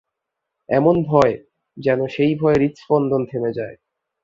এমন ভয়, যেন সেই ভয়ে হৃৎস্পন্দন থেমে যায়।